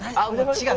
違う。